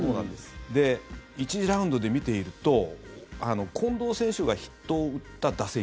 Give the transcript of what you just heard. １次ラウンドで見ていると近藤選手がヒットを打った打席